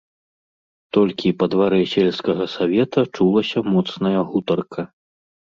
Толькi па дварэ сельскага савета чулася моцная гутарка...